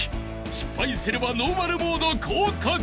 失敗すればノーマルモード降格］